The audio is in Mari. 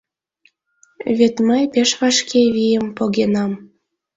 Вет мый пеш вашке вийым погенам.